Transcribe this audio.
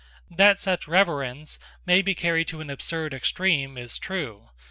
That such reverence may be carried to an absurd extreme is true.